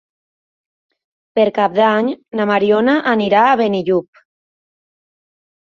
Per Cap d'Any na Mariona anirà a Benillup.